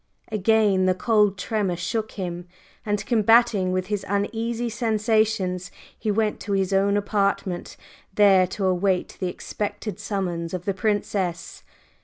Again the cold tremor shook him, and combating with his uneasy sensations, he went to his own apartment, there to await the expected summons of the Princess.